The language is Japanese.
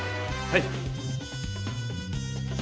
はい！